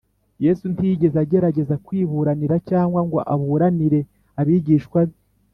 yesu ntiyigeze agerageza kwiburanira cyangwa ngo aburanire abigishwa be